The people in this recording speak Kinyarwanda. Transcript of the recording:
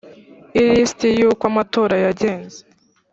ilisiti yuko amatora yagenze